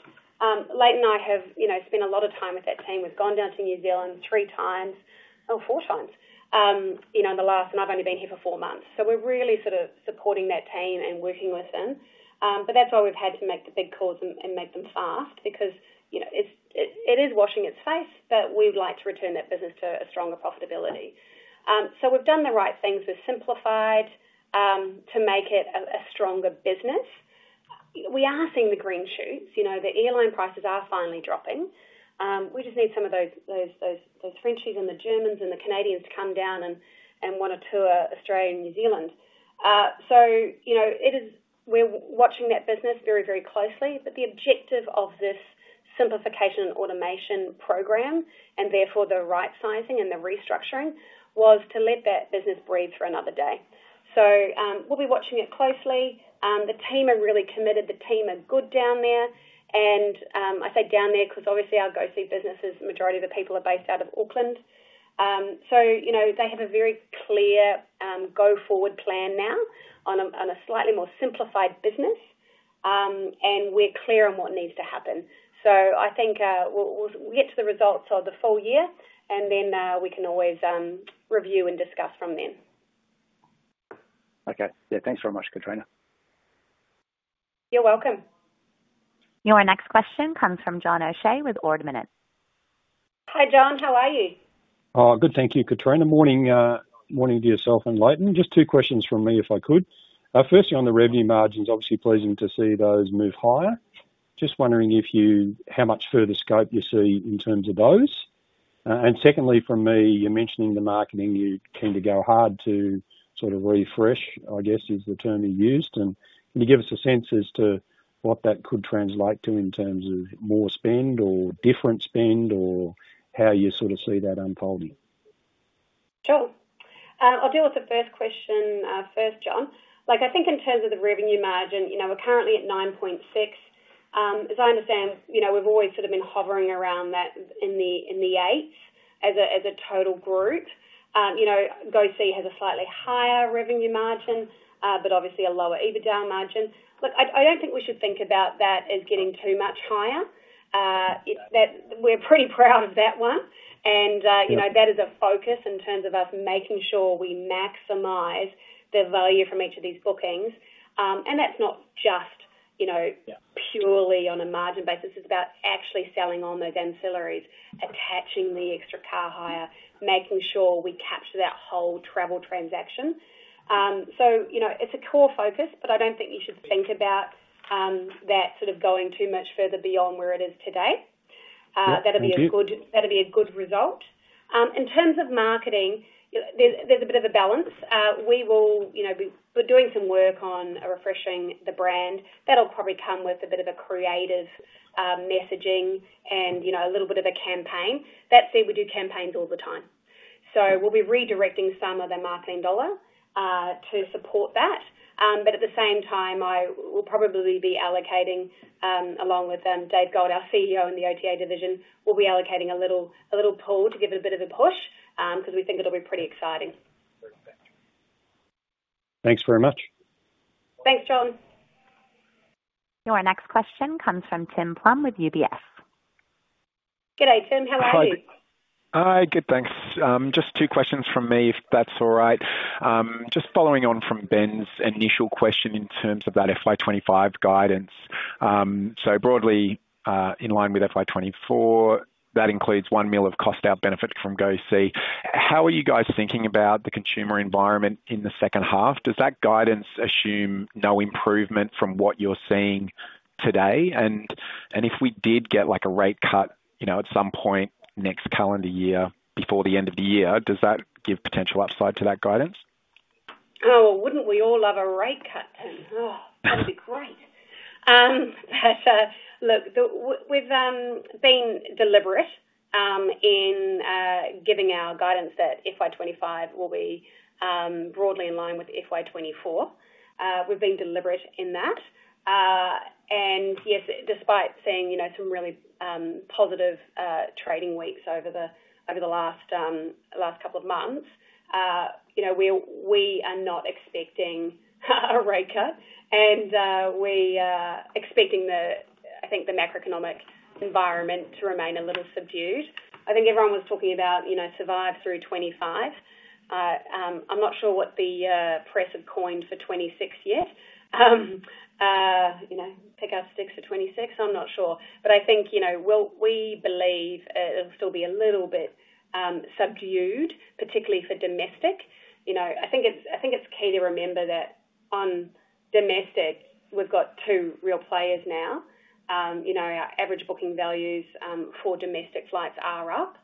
Layton and I have spent a lot of time with that team. We've gone down to New Zealand three times or four times in the last, and I've only been here for four months. So we're really sort of supporting that team and working with them. But that's why we've had to make the big calls and make them fast because it is washing its face, but we'd like to return that business to a stronger profitability. So we've done the right things. We've simplified to make it a stronger business. We are seeing the green shoots. The airline prices are finally dropping. We just need some of those Frenchies and the Germans and the Canadians to come down and want to tour Australia and New Zealand. So we're watching that business very, very closely. But the objective of this simplification and automation program, and therefore the right-sizing and the restructuring, was to let that business breathe for another day. So we'll be watching it closely. The team are really committed. The team are good down there. And I say down there because, obviously, our GoSee businesses, the majority of the people are based out of Auckland. So they have a very clear go-forward plan now on a slightly more simplified business, and we're clear on what needs to happen. So I think we'll get to the results of the full year, and then we can always review and discuss from then. Okay. Yeah. Thanks very much, Katrina. You're welcome. Your next question comes from John O'Shea with Ord Minnett. Hi, John. How are you? Good. Thank you, Katrina. Morning to yourself and Layton. Just two questions from me if I could. Firstly, on the revenue margins, obviously pleasing to see those move higher. Just wondering how much further scope you see in terms of those. And secondly, from me, you're mentioning the marketing you're keen to go hard to sort of refresh, I guess, is the term you used. And can you give us a sense as to what that could translate to in terms of more spend or different spend or how you sort of see that unfolding? Sure. I'll deal with the first question first, John. I think in terms of the revenue margin, we're currently at 9.6%. As I understand, we've always sort of been hovering around that in the 8s as a total group. GoSee has a slightly higher revenue margin, but obviously a lower EBITDA margin. Look, I don't think we should think about that as getting too much higher. We're pretty proud of that one. And that is a focus in terms of us making sure we maximize the value from each of these bookings. And that's not just purely on a margin basis. It's about actually selling on those ancillaries, attaching the extra car hire, making sure we capture that whole travel transaction. So it's a core focus, but I don't think you should think about that sort of going too much further beyond where it is today. That'd be a good result. In terms of marketing, there's a bit of a balance. We will be doing some work on refreshing the brand. That'll probably come with a bit of a creative messaging and a little bit of a campaign. That said, we do campaigns all the time. So we'll be redirecting some of the marketing dollar to support that. But at the same time, we'll probably be allocating, along with Dave Galt, our CEO in the OTA division, a little pool to give it a bit of a push because we think it'll be pretty exciting. Thanks very much. Thanks, John. Your next question comes from Tim Plumbe with UBS. Good day, Tim. How are you? Hi. Good, thanks. Just two questions from me, if that's all right. Just following on from Ben's initial question in terms of that FY 2025 guidance. So broadly in line with FY 2024, that includes 1 million of cost-out benefit from GoSee. How are you guys thinking about the consumer environment in the second half? Does that guidance assume no improvement from what you're seeing today? And if we did get a rate cut at some point next calendar year before the end of the year, does that give potential upside to that guidance? Oh, wouldn't we all love a rate cut, Tim? That'd be great. Look, we've been deliberate in giving our guidance that FY 2025 will be broadly in line with FY 2024. We've been deliberate in that. And yes, despite seeing some really positive trading weeks over the last couple of months, we are not expecting a rate cut. And we are expecting, I think, the macroeconomic environment to remain a little subdued. I think everyone was talking about survive through 2025. I'm not sure what the press have coined for 2026 yet. Pick Up Sticks for 2026. I'm not sure. But I think we believe it'll still be a little bit subdued, particularly for domestic. I think it's key to remember that on domestic, we've got two real players now. Our average booking values for domestic flights are up.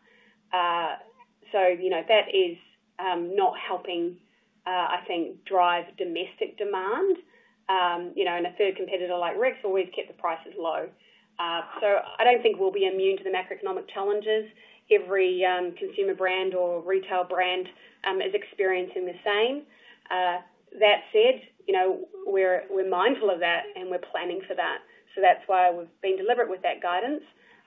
So that is not helping, I think, drive domestic demand. And a third competitor like Rex will always keep the prices low. So I don't think we'll be immune to the macroeconomic challenges. Every consumer brand or retail brand is experiencing the same. That said, we're mindful of that, and we're planning for that. So that's why we've been deliberate with that guidance.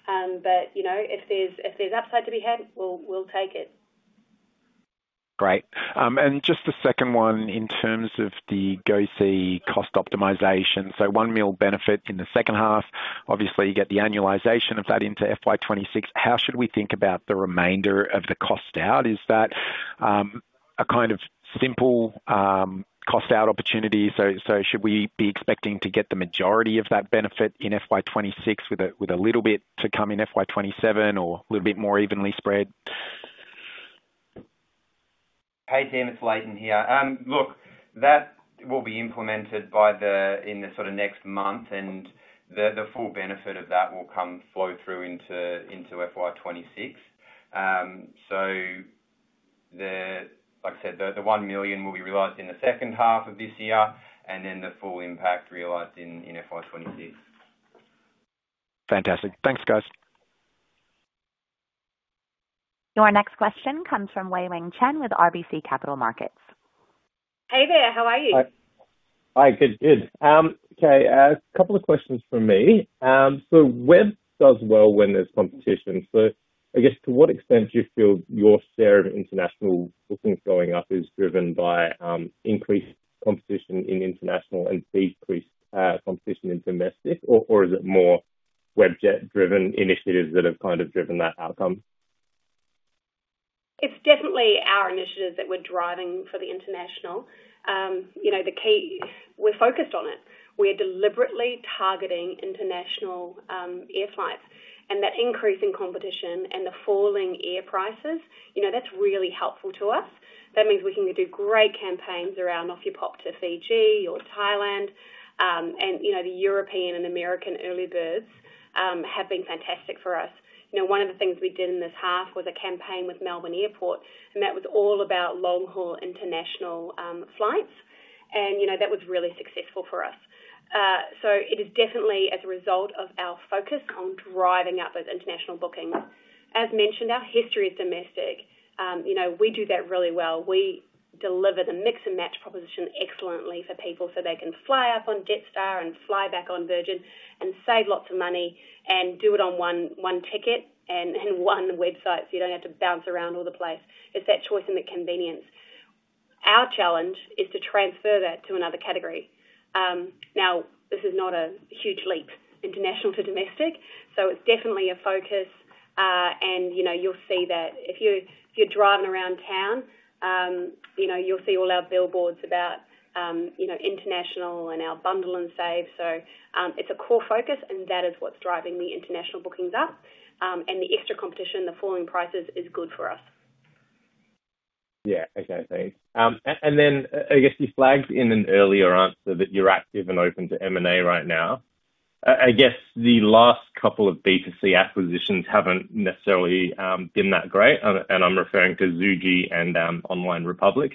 But if there's upside to be had, we'll take it. Great. And just the second one in terms of the GoSee cost optimization. So 1 million benefit in the second half. Obviously, you get the annualization of that into FY 2026. How should we think about the remainder of the cost-out? Is that a kind of simple cost-out opportunity? So should we be expecting to get the majority of that benefit in FY 2026 with a little bit to come in FY 2027 or a little bit more evenly spread? Hey, Tim. It's Layton here. Look, that will be implemented in the sort of next month, and the full benefit of that will come flow through into FY 2026. So, like I said, the 1 million will be realized in the second half of this year, and then the full impact realized in FY 2026. Fantastic. Thanks, guys. Your next question comes from Wei-Weng Chen with RBC Capital Markets. Hey there. How are you? Hi. Hi. Good, good. Okay. A couple of questions for me. So Webjet does well when there's competition. So I guess to what extent do you feel your share of international bookings going up is driven by increased competition in international and decreased competition in domestic? Or is it more Webjet-driven initiatives that have kind of driven that outcome? It's definitely our initiatives that we're driving for the international. We're focused on it. We are deliberately targeting international air flights. And that increase in competition and the falling air prices, that's really helpful to us. That means we can do great campaigns around offer pop to Fiji or Thailand. And the European and American early birds have been fantastic for us. One of the things we did in this half was a campaign with Melbourne Airport, and that was all about long-haul international flights. And that was really successful for us. So it is definitely as a result of our focus on driving up those international bookings. As mentioned, our history is domestic. We do that really well. We deliver the Mix & Match proposition excellently for people so they can fly up on Jetstar and fly back on Virgin and save lots of money and do it on one ticket and one website so you don't have to bounce around all the place. It's that choice and the convenience. Our challenge is to transfer that to another category. Now, this is not a huge leap, international to domestic. So it's definitely a focus. And you'll see that if you're driving around town, you'll see all our billboards about international and our Bundle & Save. So it's a core focus, and that is what's driving the international bookings up. And the extra competition, the falling prices is good for us. Yeah. Okay. Thanks. And then, I guess you flagged in an earlier answer that you're active and open to M&A right now. I guess the last couple of B2C acquisitions haven't necessarily been that great, and I'm referring to ZUJI and Online Republic.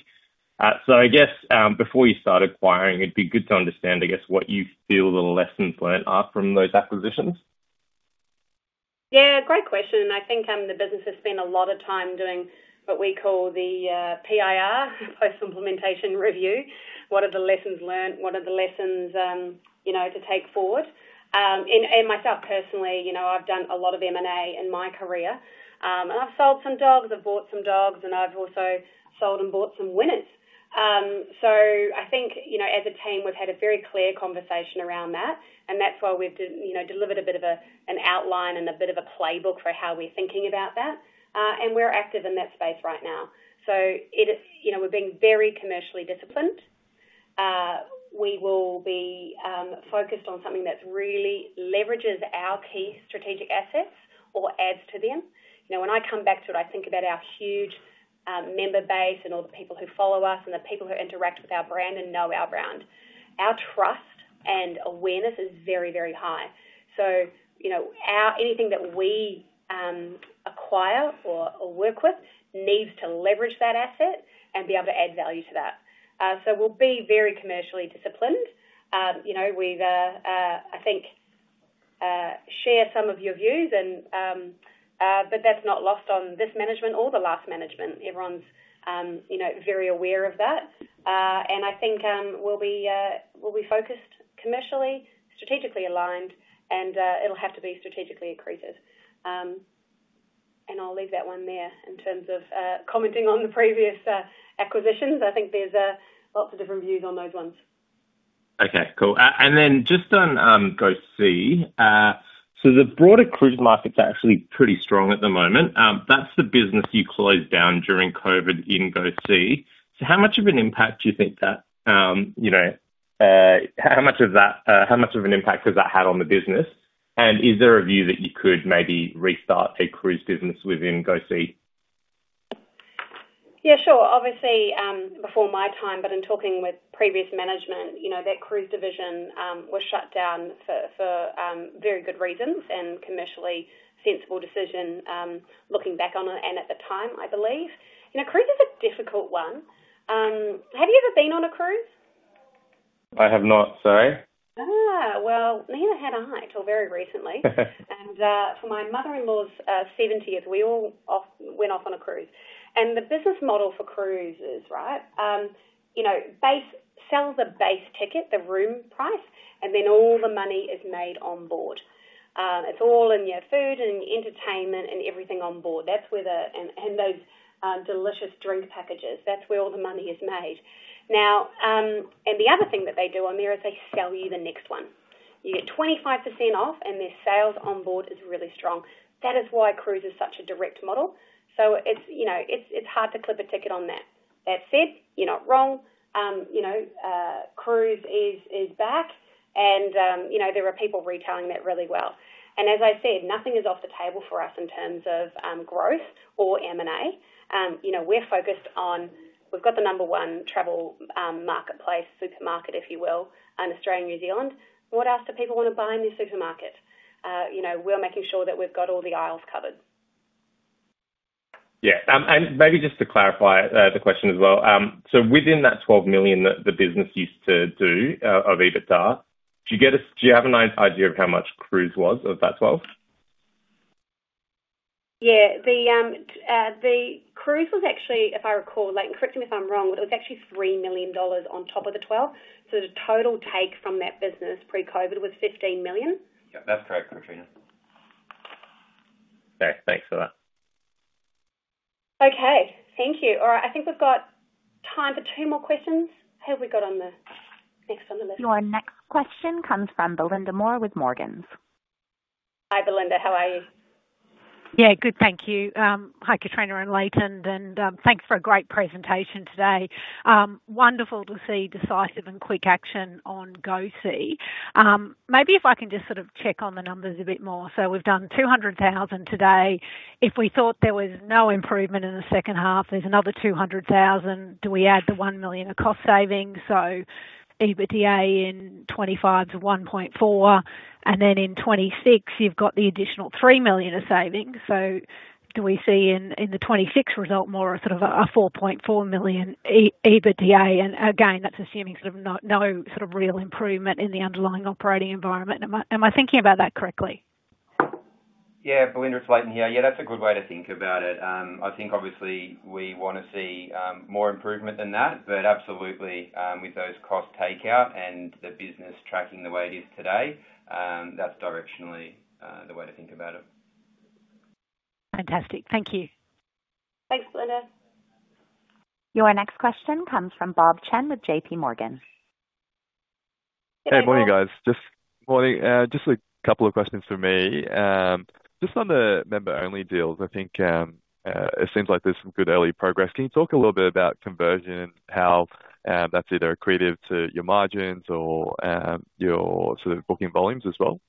So I guess before you start acquiring, it'd be good to understand, I guess, what you feel the lessons learned are from those acquisitions. Yeah. Great question, and I think the business has spent a lot of time doing what we call the PIR, post-implementation review. What are the lessons learned? What are the lessons to take forward, and myself personally, I've done a lot of M&A in my career. And I've sold some dogs. I've bought some dogs, and I've also sold and bought some winners. So I think as a team, we've had a very clear conversation around that, and that's why we've delivered a bit of an outline and a bit of a playbook for how we're thinking about that. And we're active in that space right now. So we're being very commercially disciplined. We will be focused on something that really leverages our key strategic assets or adds to them. When I come back to it, I think about our huge member base and all the people who follow us and the people who interact with our brand and know our brand. Our trust and awareness is very, very high. So anything that we acquire or work with needs to leverage that asset and be able to add value to that. So we'll be very commercially disciplined. We've, I think, shared some of your views, but that's not lost on this management or the last management. Everyone's very aware of that. And I think we'll be focused commercially, strategically aligned, and it'll have to be strategically accretive. And I'll leave that one there in terms of commenting on the previous acquisitions. I think there's lots of different views on those ones. Okay. Cool. And then just on GoSee. So the broader cruise market's actually pretty strong at the moment. That's the business you closed down during COVID in GoSee. So how much of an impact do you think that has had on the business? And is there a view that you could maybe restart a cruise business within GoSee? Yeah. Sure. Obviously, before my time, but in talking with previous management, that cruise division was shut down for very good reasons and commercially sensible decision, looking back on it and at the time, I believe. Cruise is a difficult one. Have you ever been on a cruise? I have not. Sorry. Neither had I until very recently. For my mother-in-law's 70th, we all went off on a cruise. The business model for cruises, right, sells a base ticket, the room price, and then all the money is made on board. It's all in your food and entertainment and everything on board. That's where those delicious drink packages. That's where all the money is made. The other thing that they do on there is they sell you the next one. You get 25% off, and their sales on board is really strong. That is why cruise is such a direct model. So it's hard to clip a ticket on that. That said, you're not wrong. Cruise is back, and there are people retailing that really well. As I said, nothing is off the table for us in terms of growth or M&A. We're focused on we've got the number one travel marketplace, supermarket, if you will, in Australia, New Zealand. What else do people want to buy in this supermarket? We're making sure that we've got all the aisles covered. Yeah. And maybe just to clarify the question as well. So within that 12 million that the business used to do of EBITDA, do you have an idea of how much cruise was of that 12? Yeah. The cruise was actually, if I recall, correct me if I'm wrong, but it was actually $3 million on top of the 12. So the total take from that business pre-COVID was 15 million. Yep. That's correct, Katrina. Okay. Thanks for that. Okay. Thank you. All right. I think we've got time for two more questions. Who have we got next on the list? Your next question comes from Belinda Moore with Morgans. Hi, Belinda. How are you? Yeah. Good. Thank you. Hi, Katrina and Layton. And thanks for a great presentation today. Wonderful to see decisive and quick action on GoSee. Maybe if I can just sort of check on the numbers a bit more. So we've done 200,000 today. If we thought there was no improvement in the second half, there's another 200,000. Do we add the one million of cost savings? So EBITDA in 2025 is 1.4. And then in 2026, you've got the additional 3 million of savings. So do we see in the 2026 result more of sort of a 4.4 million EBITDA? And again, that's assuming sort of no sort of real improvement in the underlying operating environment. Am I thinking about that correctly? Yeah. Belinda's waiting here. Yeah. That's a good way to think about it. I think, obviously, we want to see more improvement than that. But absolutely, with those cost takeout and the business tracking the way it is today, that's directionally the way to think about it. Fantastic. Thank you. Thanks, Belinda. Your next question comes from Bob Chen with J.P. Morgan. Hey. Morning, guys. Just a couple of questions for me. Just on the member-only deals, I think it seems like there's some good early progress. Can you talk a little bit about conversion and how that's either accretive to your margins or your sort of booking volumes as well?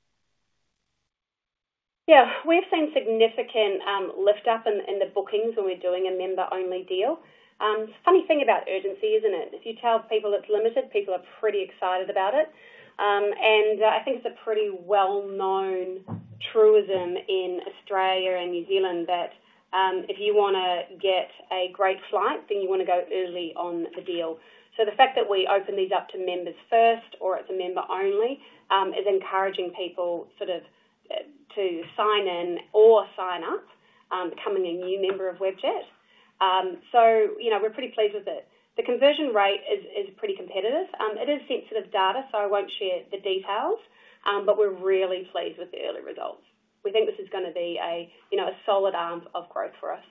Yeah. We've seen significant lift-up in the bookings when we're doing a member-only deal. It's a funny thing about urgency, isn't it? If you tell people it's limited, people are pretty excited about it. I think it's a pretty well-known truism in Australia and New Zealand that if you want to get a great flight, then you want to go early on the deal. So the fact that we open these up to members first or it's a member-only is encouraging people sort of to sign in or sign up, becoming a new member of Webjet. So we're pretty pleased with it. The conversion rate is pretty competitive. It is sensitive data, so I won't share the details. But we're really pleased with the early results. We think this is going to be a solid arm of growth for us.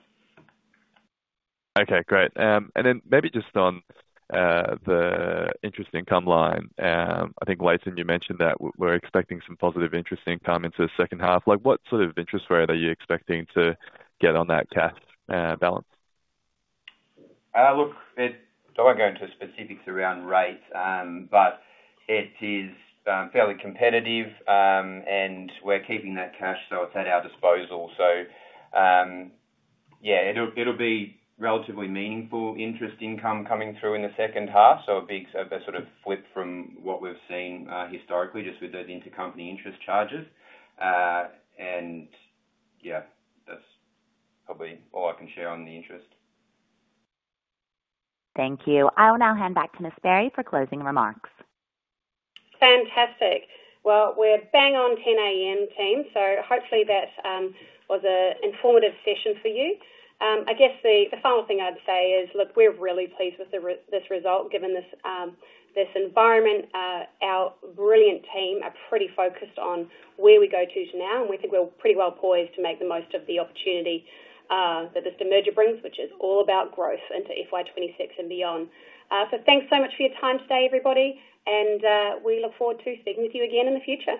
Okay. Great. And then maybe just on the interest income line, I think, Layton, you mentioned that we're expecting some positive interest income into the second half. What sort of interest rate are you expecting to get on that cash balance? Look, I don't want to go into specifics around rates, but it is fairly competitive, and we're keeping that cash, so it's at our disposal. So yeah, it'll be relatively meaningful interest income coming through in the second half. So a big sort of flip from what we've seen historically just with those intercompany interest charges. And yeah, that's probably all I can share on the interest. Thank you. I'll now hand back to Ms. Barry for closing remarks. Fantastic. Well, we're bang on 10:00 A.M., team. So hopefully, that was an informative session for you. I guess the final thing I'd say is, look, we're really pleased with this result given this environment. Our brilliant team are pretty focused on where we go to now, and we think we're pretty well poised to make the most of the opportunity that this merger brings, which is all about growth into FY 2026 and beyond. So thanks so much for your time today, everybody. And we look forward to speaking with you again in the future.